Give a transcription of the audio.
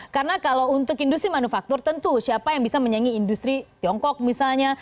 karena kalau untuk industri manufaktur tentu siapa yang bisa menyanyi industri tiongkok misalnya